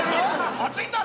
熱いんだろ？